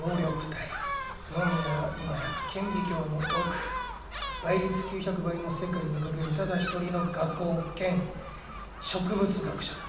野宮は今や顕微鏡の奥倍率９００倍の世界が描けるただ一人の画工兼植物学者だ。